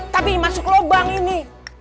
tapi masuk lubang ini